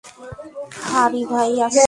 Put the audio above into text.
হারি ভাইয়ার ছেলে।